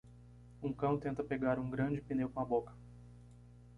Um cão tenta pegar um grande pneu com a boca.